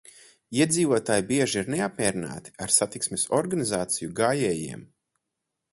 Iedzīvotāji bieži ir neapmierināti ar satiksmes organizāciju gājējiem.